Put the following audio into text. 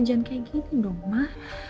jangan begini dong mak